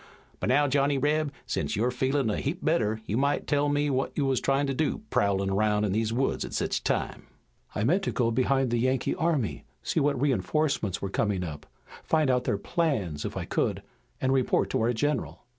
But now, Johnny Reb, sence you're feelin' a heap better you might tell what you wuz tryin' to do, prowlin' roun' in these woods at sech a time." "I meant to go behind the Yankee army, see what reinforcements were coming up, find out their plans, if I could, and report to our general."